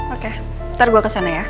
oke ntar gue kesana ya